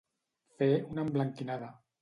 Fer una emblanquinada.